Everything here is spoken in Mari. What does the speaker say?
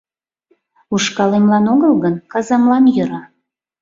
Ушкалемлан огыл гын, казамлан йӧра